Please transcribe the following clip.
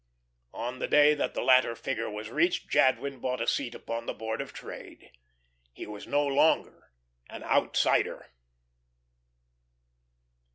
On the day when the latter figure was reached Jadwin bought a seat upon the Board of Trade. He was now no longer an "outsider."